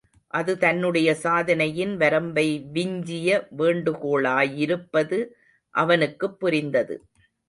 அது தன்னுடைய சாதனையின் வரம்பை விஞ்சிய வேண்டுகோளாயிருப்பது அவனுக்குப் புரிந்தது.